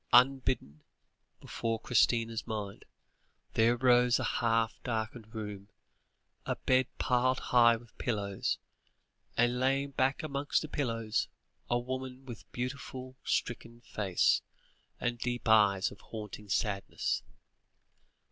Unbidden, before Christina's mind, there rose a half darkened room, a bed piled high with pillows, and lying back amongst the pillows, a woman with a beautiful, stricken face, and deep eyes of haunting sadness.